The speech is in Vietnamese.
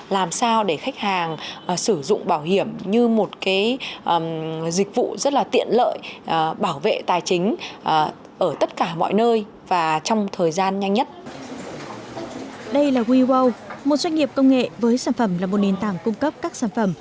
đây là wew một doanh nghiệp công nghệ với sản phẩm là một nền tảng cung cấp các sản phẩm